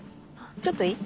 ちょっといい？